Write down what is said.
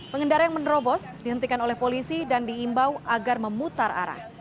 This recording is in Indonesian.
pengendara yang menerobos dihentikan oleh polisi dan diimbau agar memutar arah